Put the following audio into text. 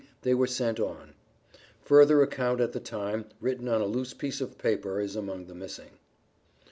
they were sent on." (Further account at the time, written on a loose piece of paper, is among the missing).